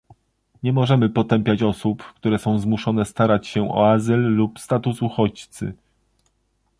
Nie możemy potępiać osób, które są zmuszone starać się o azyl lub status uchodźcy